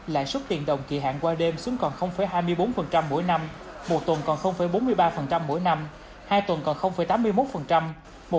lãi suất tiền đồng kỳ hạn qua đêm xuống còn hai mươi bốn mỗi năm một tuần còn bốn mươi ba mỗi năm hai tuần còn tám mươi một một tuần còn tám mỗi năm